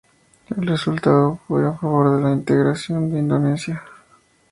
El resultado fue a favor de la integración en Indonesia.